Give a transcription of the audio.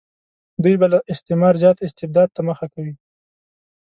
دوی به له استعمار زیات استبداد ته مخه کوي.